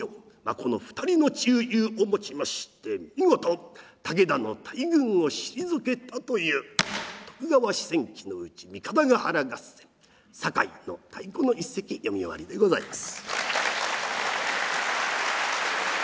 この２人の忠勇をもちまして見事武田の大軍を退けたという「徳川四戦記」のうち「三方ヶ原合戦酒井の太鼓」の一席読み終わりでございます。